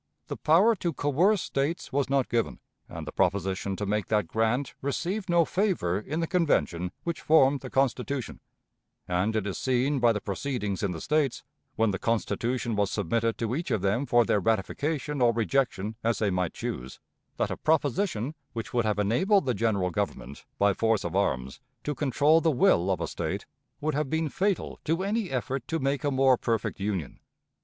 The power to coerce States was not given, and the proposition to make that grant received no favor in the Convention which formed the Constitution; and it is seen by the proceedings in the States, when the Constitution was submitted to each of them for their ratification or rejection as they might choose, that a proposition which would have enabled the General Government, by force of arms, to control the will of a State, would have been fatal to any effort to make a more perfect Union.